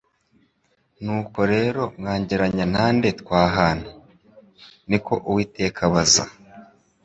Nuko rero mwangereranya na nde twahana? Niko Uwiteka abaza. “